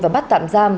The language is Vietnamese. và bắt tạm giam